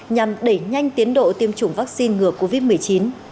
nhằm đẩy nhanh tiến độ tiêm chủng vaccine ngừa covid một mươi chín